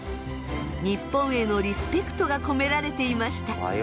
日本へのリスペクトが込められていました。